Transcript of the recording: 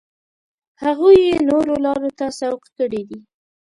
هغوی یې نورو لارو ته سوق کړي دي.